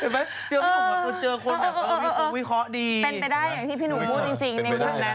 เป็นไปได้อย่างที่พี่หนูพูดจริงคุณแม่